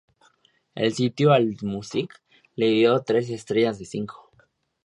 El sitio Allmusic le dio tres estrellas de cinco.